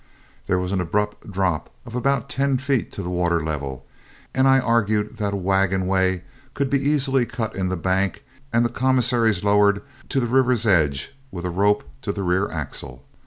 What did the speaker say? There was an abrupt drop of about ten feet to the water level, and I argued that a wagon way could be easily cut in the bank and the commissaries lowered to the river's edge with a rope to the rear axle.